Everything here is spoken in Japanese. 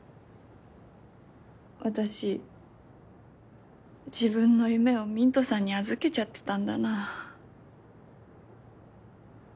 私自分の夢をミントさんに預けちゃってたんだなあ。